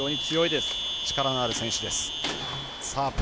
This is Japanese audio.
力のある選手です。